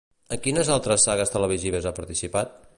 En quines altres sagues televisives ha participat?